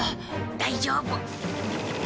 大丈夫。